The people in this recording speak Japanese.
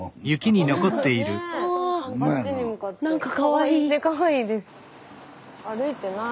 スタジオ何かかわいい！ねかわいいです。